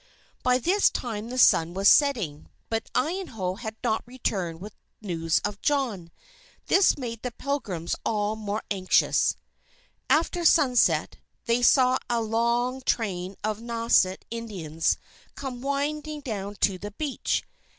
By this time the sun was setting, but Iyanough had not returned with news of John. This made the Pilgrims all the more anxious. After sunset, they saw a long train of Nauset Indians come winding down to the beach.